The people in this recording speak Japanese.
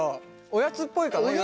おやつっぽいかなより。